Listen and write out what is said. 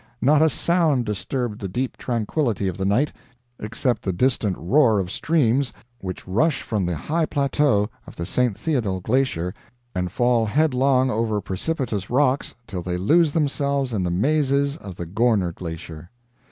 Not a sound disturbed the deep tranquillity of the night, except the distant roar of streams which rush from the high plateau of the St. Theodule glacier, and fall headlong over precipitous rocks till they lose themselves in the mazes of the Gorner glacier."